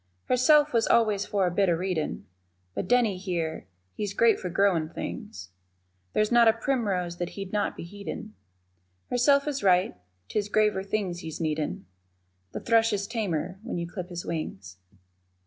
Herself was always for the bit of readin' But Denny here, he's great for growin' things, There's not a primrose that he'd not be heedin' Herself is right 'tis graver things he's needin' The thrush is tamer when you clip his wings.